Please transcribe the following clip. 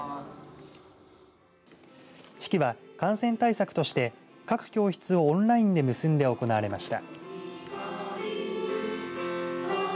式は感染対策として各教室をオンラインで結んで行われました。